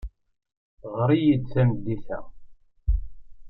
Ɣer-iyi-d tameddit-a.